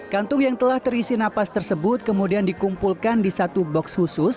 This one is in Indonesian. kantung yang telah terisi napas tersebut kemudian dikumpulkan di satu box khusus